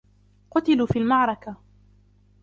قُتلوا في المعرك.